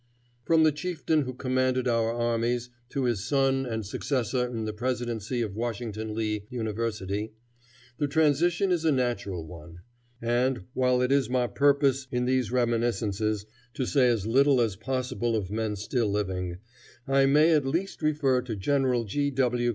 From the chieftain who commanded our armies to his son and successor in the presidency of Washington Lee University, the transition is a natural one; and, while it is my purpose, in these reminiscences, to say as little as possible of men still living, I may at least refer to General G. W.